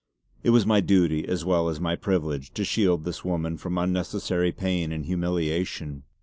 It was my duty as well as my privilege to shield this woman from unnecessary pain and humiliation.